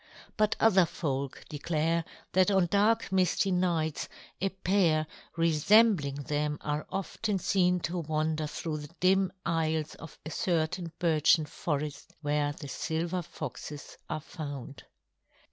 But other folk declare that on dark misty nights a pair resembling them are often seen to wander through the dim aisles of a certain birchen forest where the silver foxes are found.